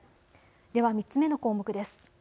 では３つ目の項目です。